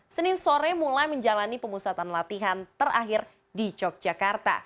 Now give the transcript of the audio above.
senin sore mulai menjalani pemusatan latihan terakhir di yogyakarta